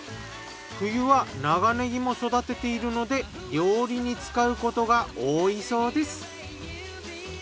冬は長ねぎも育てているので料理に使うことが多いそうです。